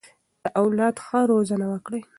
د اولاد ښه روزنه وکړئ.